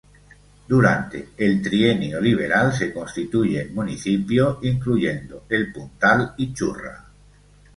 Durante el trienio liberal se constituye en municipio incluyendo El Puntal y Churra.